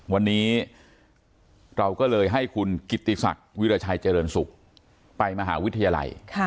วันนี้เราก็เลยให้คุณกิติศักดิ์วิราชัยเจริญศุกร์ไปมหาวิทยาลัย